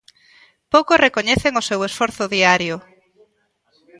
Poucos recoñecen o seu esforzo diario.